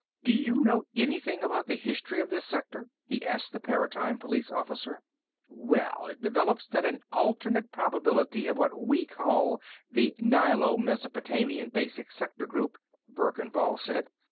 Do you know anything about the history of this sector?" he asked the Paratime Police officer. "Well, it develops from an alternate probability of what we call the Nilo Mesopotamian Basic sector group," Verkan Vall said.